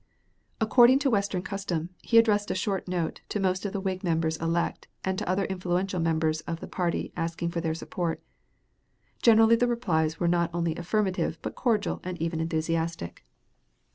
According to Western custom, he addressed a short note to most of the Whig members elect and to other influential members of the party asking their support. Generally the replies were not only affirmative but cordial and even enthusiastic.